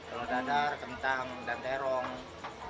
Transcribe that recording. kalau dadar kentang dan terong